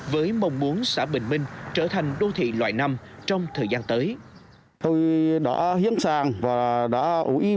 với mong muốn sử dụng đường dài